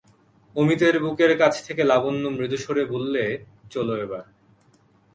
অমিতর বুকের কাছ থেকে লাবণ্য মৃদুস্বরে বললে, চলো এবার।